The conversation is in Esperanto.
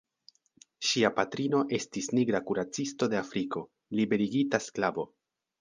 Ŝia patrino estis nigra kuracisto de Afriko, liberigita sklavo.